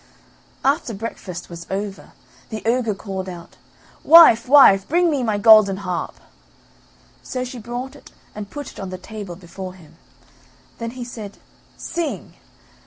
After breakfast was over, the ogre called out: "Wife, wife, bring me my golden harp." So she brought it and put it on the table before him. Then he said: "Sing!"